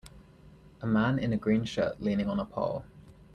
A man in a green shirt leaning on a pole.